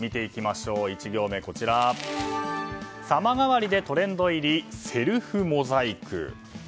１行目、様変わりでトレンド入りセルフモザイク。